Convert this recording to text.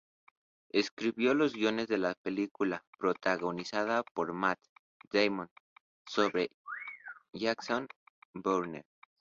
Escribió los guiones de las películas protagonizadas por Matt Damon sobre Jason Bourne.